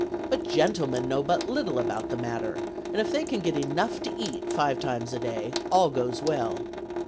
But gentlemen know but little about the matter, and if they can get enough to eat five times a day, all goes well.